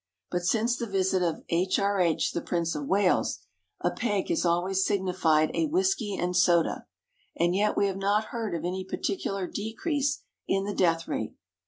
But since the visit of H.R.H. the Prince of Wales, a peg has always signified a whisky and soda. And yet we have not heard of any particular decrease in the death rate.